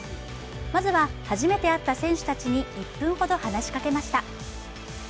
まずは、初めて会った選手たちに１分ほど話しかけました。